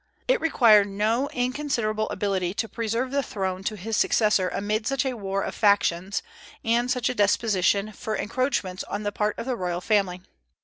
It required no inconsiderable ability to preserve the throne to his successor amid such a war of factions, and such a disposition for encroachments on the part of the royal family.